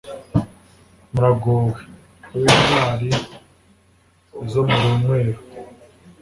Baragowe! Ab’intwari zo mu runywero,